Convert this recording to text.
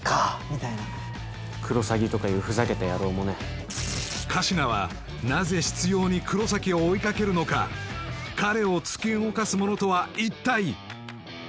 みたいなクロサギとかいうふざけた野郎もね神志名はなぜ執拗に黒崎を追いかけるのか彼を突き動かすものとは一体？